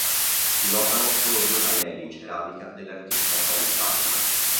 Si notano solo due pannelli in ceramica dell'artista Tony Salem.